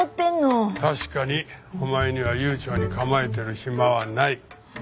確かにお前には悠長に構えてる暇はない。